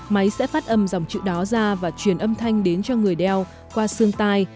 máy sẽ phát âm dòng chữ đó ra và truyền âm thanh đến cho người đeo qua xương tai